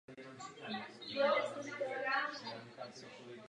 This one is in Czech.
Bez ohledu na velikost psa musí být jasně vyjádřen pohlavní výraz.